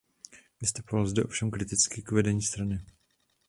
Vystupoval zde ovšem kriticky k vedení strany.